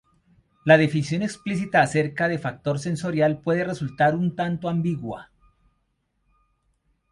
La definición explícita acerca de factor sensorial puede resultar un tanto ambigua.